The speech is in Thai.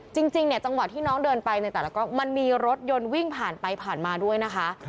จริงเนี่ยจังหวะที่น้องเดินไปในแต่ละกล้องมันมีรถยนต์วิ่งผ่านไปผ่านมาด้วยนะคะ